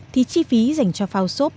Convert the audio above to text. thì chi phí dành cho phao sốt